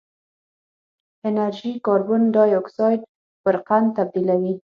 انرژي کاربن ډای اکسایډ پر قند تبدیلوي.